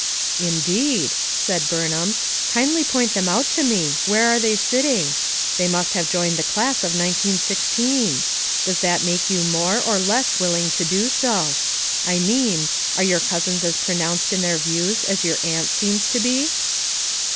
"Indeed!" said Burnham. "Kindly point them out to me; where are they sitting? They must have joined the class of 1916. Does that make you more, or less willing to do so? I mean,— are your cousins as pronounced in their views as your aunt seems to be?"